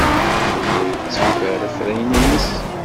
Yella yetteffer afrayen-nnes.